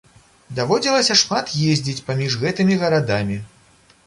Даводзілася шмат ездзіць паміж гэтымі гарадамі.